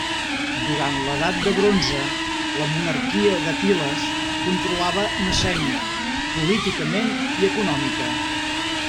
Durant l'edat de bronze la monarquia de Piles controlava Messènia políticament i econòmica.